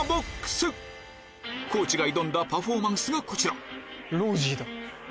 そんな地の地が挑んだパフォーマンスがこちら！